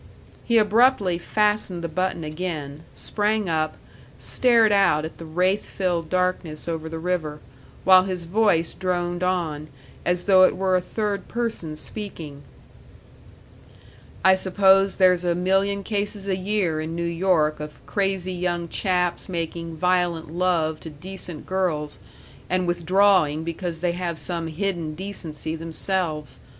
He abruptly fastened the button again, sprang up, stared out at the wraith filled darkness over the river, while his voice droned on, as though it were a third person speaking: "I suppose there's a million cases a year in New York of crazy young chaps making violent love to decent girls and withdrawing because they have some hidden decency themselves.